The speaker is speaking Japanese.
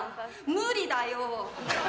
無理だよ。